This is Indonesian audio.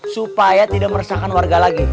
supaya tidak meresahkan warga lagi